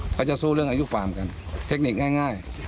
เขาจะสู้เรื่องอายุฟาร์มกันเทคนิคง่าย